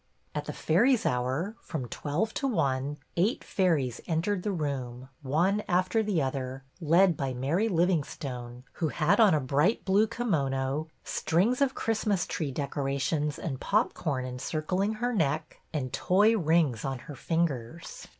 At the Fairies' Hour, from twelve to one, eight fairies entered the room, one after the other, led by Mary Livingstone, who had on a bright blue kimono, strings of Christmas tree decorations and pop corn encircling her neck, and toy rings on her fingers.